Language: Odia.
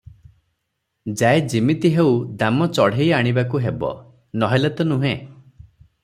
ଯାଏ ଯିମିତି ହେଉ ଦାମ ଚଢ଼େଇ ଆଣିବାକୁ ହେବ, ନ ହେଲେ ତ ନୁହେଁ ।